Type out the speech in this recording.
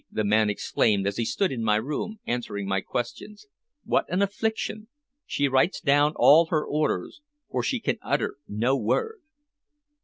the man exclaimed as he stood in my room answering my questions, "What an affliction! She writes down all her orders for she can utter no word."